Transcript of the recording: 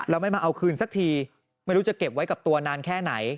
แล้วไม่มาเอาคืนสักทีไม่รู้จะเก็บไว้กับตัวนานแค่ไหน